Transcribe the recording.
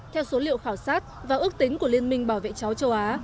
theo số liệu khảo sát và ước tính của liên minh bảo vệ cháu châu á